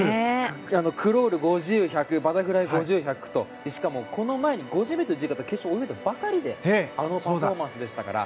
クロール、５０、１００バタフライ、５０、１００とそしてこの前にバタフライ決勝を泳いだばかりであのパフォーマンスでしたから。